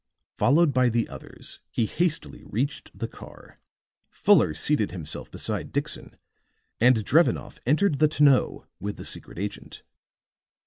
Followed by the others, he hastily reached the car; Fuller seated himself beside Dixon and Drevenoff entered the tonneau with the secret agent.